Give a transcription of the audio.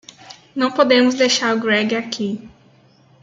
Não podemos deixar o Greg aqui.